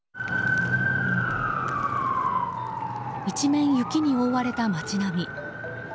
一面雪に覆われた街並み。